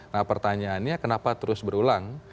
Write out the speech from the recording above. nah pertanyaannya kenapa terus berulang